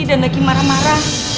dan lagi marah marah